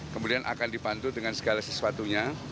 kemudian akan dibantu dengan segala sesuatunya